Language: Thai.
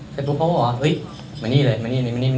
เสร็จพวกเขาก็บอกว่าเฮ้ยมานี่เลย